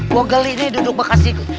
gua geli nih duduk bukasih